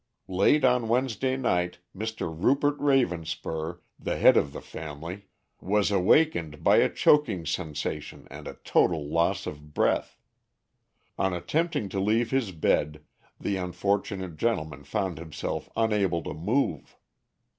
Late on Wednesday night Mr. Rupert Ravenspur, the head of the family, was awakened by a choking sensation and a total loss of breath. On attempting to leave his bed, the unfortunate gentleman found himself unable to move.